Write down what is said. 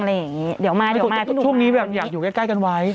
อย่างงี้เดี๋ยวมาเดี๋ยวมาพี่หนุ่มช่วงนี้แบบอยากอยู่ใกล้ใกล้กันไว้